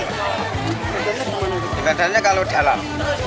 kecantikannya kalau dalam